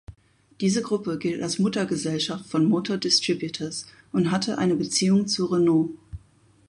Diese Gruppe gilt als Muttergesellschaft von Motor Distributors und hatte eine Beziehung zu Renault.